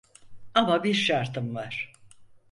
Ama bir şartım var.